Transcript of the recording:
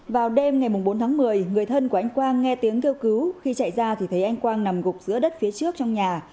vào đêm ngày bốn tháng một mươi người thân của anh quang nghe tiếng kêu cứu khi chạy ra thì thấy anh quang nằm gục giữa đất phía trước trong nhà